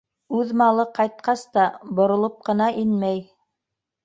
Үҙ малы ҡайтҡас та боролоп ҡына инмәй.